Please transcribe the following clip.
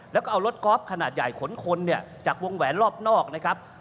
แล้วก็เอารถกอล์ฟขนาดใหญ่ขนคนเนี่ยจากวงแหวนรอบนอกนะครับ